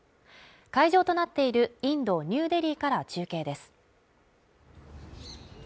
会場となっているインド・ニューデリーから中継です。